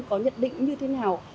có nhận định như thế nào